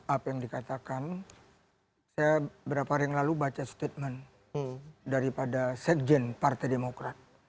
apa yang dikatakan saya beberapa hari yang lalu baca statement daripada sekjen partai demokrat